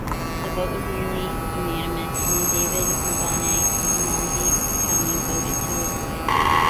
The vote was nearly unanimous; only David Menyongai of Margibi County voted to acquit.